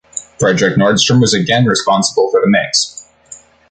Fredrik Nordström was again responsible for the mix.